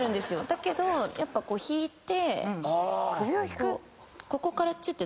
だけどやっぱ引いて。